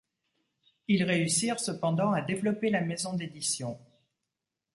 Ils réussirent cependant à développer la maison d'édition.